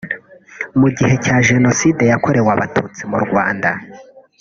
Mu gihe cya Jenoside yakorewe Abatutsi mu Rwanda